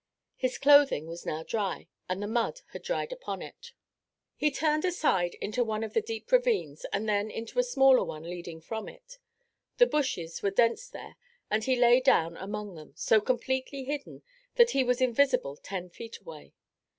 His clothing was now dry, and the mud had dried upon it. He turned aside into one of the deep ravines and then into a smaller one leading from it. The bushes were dense there and he lay down among them, so completely hidden that he was invisible ten feet away.